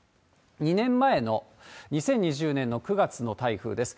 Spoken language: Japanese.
２年前の２０２０年の９月の台風です。